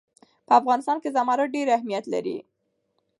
په افغانستان کې زمرد ډېر اهمیت لري.